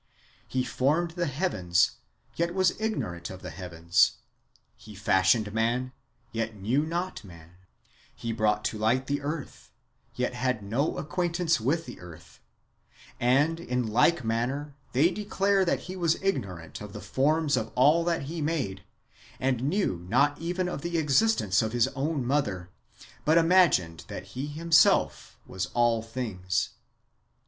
He formed the heavens, yet was ignorant of the heavens ; he fashioned man, yet knew not man ; he brought to light the earth, yet had no acquaintance with the earth ; and, in like manner, they declare that he was ignorant of the forms of all that he made, and knew not even of the existence of his own mother, but imagined that he himself was all things.